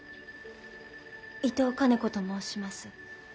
伊藤兼子と申します。